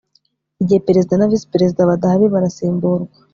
igihe perezida na visi perezida badahari barasimburwa